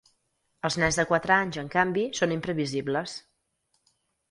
Els nens de quatre anys, en canvi, són imprevisibles.